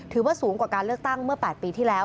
ถือว่าสูงกว่าการเลือกตั้งเมื่อ๘ปีที่แล้ว